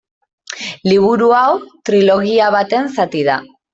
Liburu hau trilogia baten zati da.